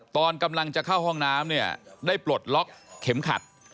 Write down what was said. ตอนกำลังจะเข้าห้องน้ำเนี่ยได้ปลดล็อกเข็มขัด